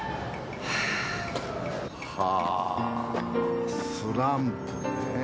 はぁスランプねえ。